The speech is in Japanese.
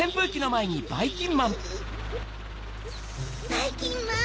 ばいきんまん！